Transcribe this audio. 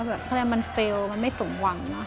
รวมละมันเฟลมันไม่ส่งหวัง